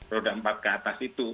roda empat ke atas itu